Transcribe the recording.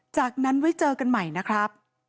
จากนั้นไว้เจอกันใหม่นะครับ